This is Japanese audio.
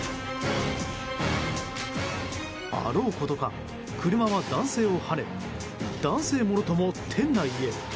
あろうことか、車は男性をはね男性もろとも店内へ。